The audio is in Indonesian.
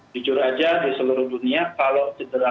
jujur aja di seluruh dunia kalau cedera